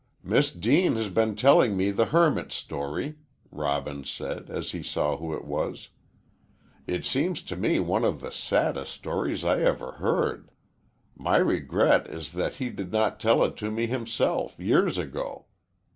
"Miss Deane has been telling me the hermit's story," Robin said, as he saw who it was. "It seems to me one of the saddest stories I ever heard. My regret is that he did not tell it to me himself, years ago.